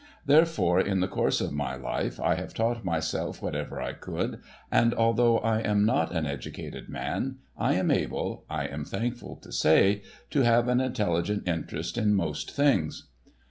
Therefore, in the course of my life I have taught myself whatever I could, and although I am not an educated man, I am able, I am thankful to say, to have an intelligent interest in most things.